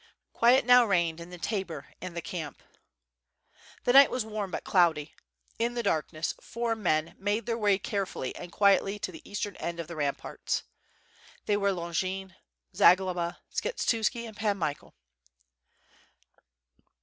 Quiet now reigned in the tabor and the camp. The night was warm but cloudy. In the darkness four men made their way carefully and quietly to the eastern end of the ramparts. They were Longin, Zagloba, Skshetuski and Pan Michael.